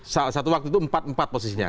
saat itu waktu itu empat empat posisinya